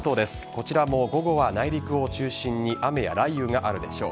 こちらも午後は内陸を中心に雨や雷雨があるでしょう。